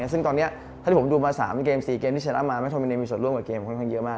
ซึ่งตอนนี้เท่าที่ผมดูมา๓เกม๔เกมที่ชนะมาแมทโมิเนียมีส่วนร่วมกับเกมค่อนข้างเยอะมาก